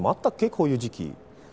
こういう時期。